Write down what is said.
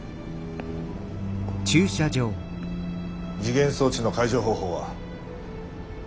時限装置の解除方法は？